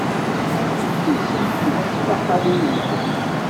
Lsemt tismqaqqalin-nwent.